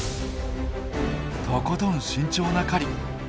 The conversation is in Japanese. とことん慎重な狩り。